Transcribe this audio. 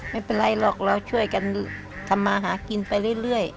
ไม่เป็นไรหรอกเราช่วยกันทำมาหากินไปเรื่อย